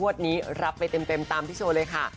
วันนี้รับไปเต็มตามพี่โชว์เลยค่ะ